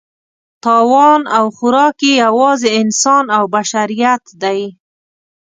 تاوان او خوراک یې یوازې انسان او بشریت دی.